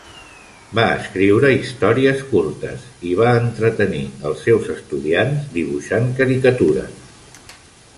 Va escriure històries curtes i va entretenir els seus estudiants dibuixant caricatures.